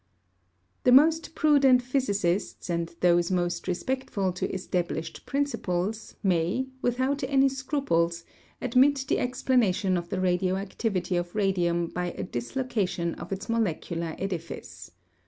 The most prudent physicists and those most respectful to established principles may, without any scruples, admit the explanation of the radioactivity of radium by a dislocation of its molecular edifice.